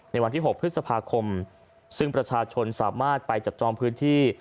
วันที่๖พฤษภาคมซึ่งประชาชนสามารถไปจับจองพื้นที่